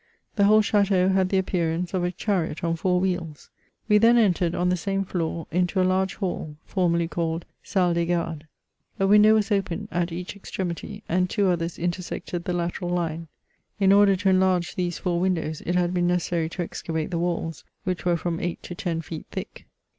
The whole chateau had the appearance of a chariot on four wheels. We then entered, on the same floor, into a large hall, formerly called " Salle des Gardes.*' A window was open at each extremity, and two others intersected the lateral line. In order to enlarge these four windows, it had been necessary to excavate the walls, which were from eight to ten feet thick.